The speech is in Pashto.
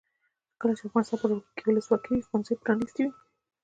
کله چې افغانستان کې ولسواکي وي ښوونځي پرانیستي وي.